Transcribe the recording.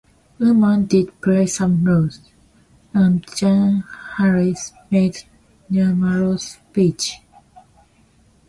Women did play some roles, and Jean Harris made numerous speeches.